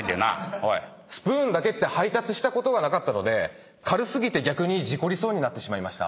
スプーンだけって配達したことがなかったので軽過ぎて逆に事故りそうになりました。